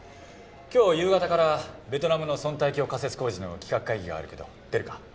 今日夕方からベトナムのソンタイ橋架設工事の企画会議があるけど出るか？